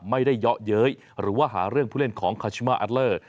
เยาะเย้ยหรือว่าหาเรื่องผู้เล่นของคาชิมาอัลเลอร์